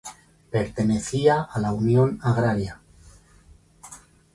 Pertenecía a la unión agraria.